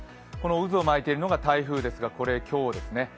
渦を巻いているのが台風ですが、これは今日です。